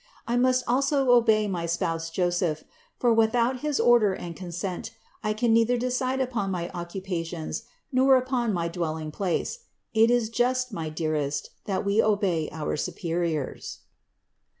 I must also obey my spouse Joseph, for without his order and consent, I can neither decide upon my occupations, nor upon my dwelling place; it is just, my dearest, that we obey our superiors."